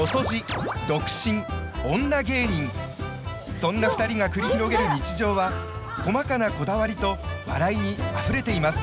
そんな２人が繰り広げる日常は細かなこだわりと笑いにあふれています。